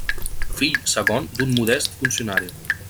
Fill segon d'un modest funcionari.